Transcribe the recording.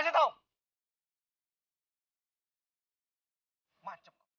apa yang harus kamu ucapkan buat articilnya